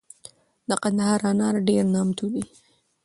دکندهار انار دیر نامتو دي